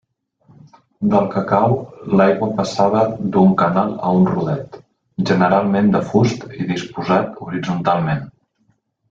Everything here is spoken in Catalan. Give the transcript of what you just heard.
Del cacau l'aigua passava d'un canal a un rodet, generalment de fusts i disposat horitzontalment.